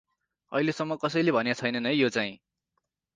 अहिले सम्म कसैले भन्या छैनन् है यो चाहिँ।